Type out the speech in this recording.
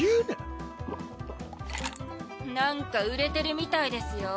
なんか売れてるみたいですよ。